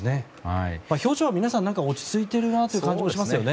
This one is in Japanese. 表情は皆さん落ち着いている感じがしますよね。